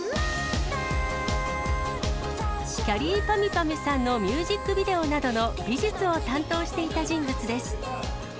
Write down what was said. きゃりーぱみゅぱみゅさんのミュージックビデオなどの美術を担当していた人物です。